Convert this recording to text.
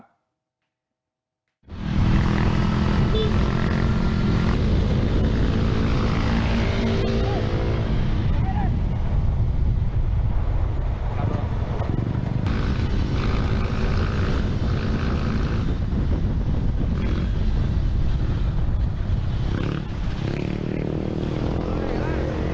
ทุกผู้ชมครับสายตรวจของสอบพ่อเมืองอ่างทองเนี่ยไปเจอรถจักรยานยนต์ต้องสงสัยนะครับ